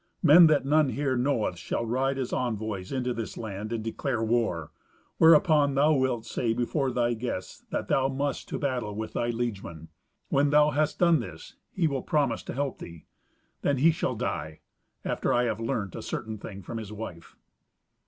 Men that none here knoweth shall ride as envoys into this land and declare war. Whereupon thou wilt say before thy guests that thou must to battle with thy liegemen. When thou hast done this, he will promise to help thee. Then he shall die, after I have learnt a certain thing from his wife."